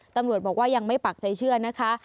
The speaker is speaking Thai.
ตำรวจบอกว่ายังไม่ปักใจเชื่อนะคะ